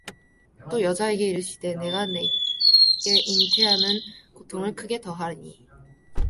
또 여자에게 이르시되 내가 네게 잉태하는 고통을 크게 더하리니